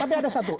tapi ada satu